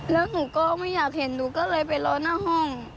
แล้วหนูก็ไม่อยากเห็นหนูก็เลยไปรอหน้าห้อง